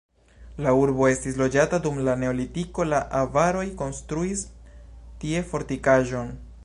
La urbo estis loĝata dum la neolitiko, la avaroj konstruis tie fortikaĵon.